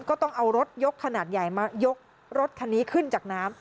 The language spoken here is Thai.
ก็ต้องเอารถยกขนาดใหญ่มายกรถคันนี้ขึ้นจากน้ำ